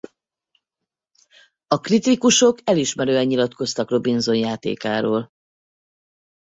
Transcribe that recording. A kritikusok elismerően nyilatkoztak Robinson játékáról.